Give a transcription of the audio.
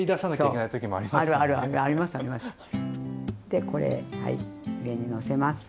でこれ上にのせます。